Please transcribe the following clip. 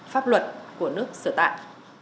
pháp luật của nước sửa tại